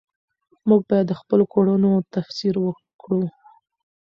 موږ باید د خپلو کړنو تفسیر وکړو.